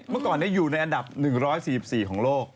เมื่อก่อนอยู่ในอันดับ๑๔๔ของโลก